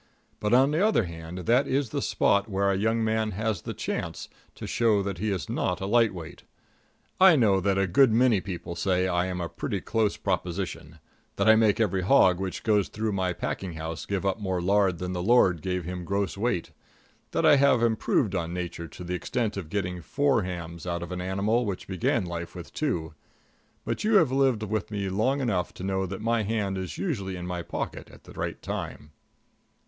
But on the other hand, that is the spot where a young man has the chance to show that he is not a light weight. I know that a good many people say I am a pretty close proposition; that I make every hog which goes through my packing house give up more lard than the Lord gave him gross weight; that I have improved on Nature to the extent of getting four hams out of an animal which began life with two; but you have lived with me long enough to know that my hand is usually in my pocket at the right time.